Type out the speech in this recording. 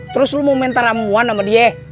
terus lu mau minta ramuan sama dia